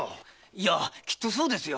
いやきっとそうですよ。